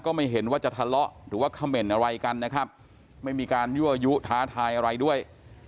ไม่เห็นว่าจะทะเลาะหรือว่าเขม่นอะไรกันนะครับไม่มีการยั่วยุท้าทายอะไรด้วย